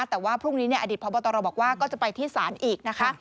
แต่ว่าพรุ่งนี้อดีตพบตรบอกว่าก็จะไปที่ศาลอีกนะคะ